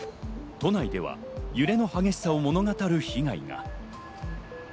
都内では揺れの激しさを物語る被害が。